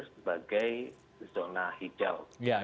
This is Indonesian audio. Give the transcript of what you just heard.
sebagai zona hidau